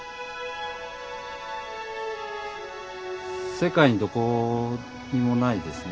世界にどこにもないですね